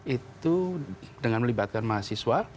itu dengan melibatkan mahasiswa